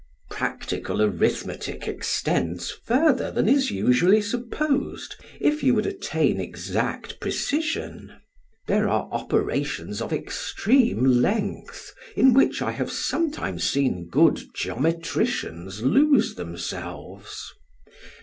Practical arithmetic extends further than is usually supposed if you would attain exact precision. There are operations of extreme length in which I have sometimes seen good geometricians lose themselves.